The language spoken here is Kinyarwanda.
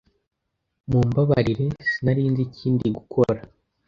Mumbabarire, sinari nzi ikindi gukora.